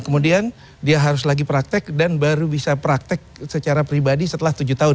kemudian dia harus lagi praktek dan baru bisa praktek secara pribadi setelah tujuh tahun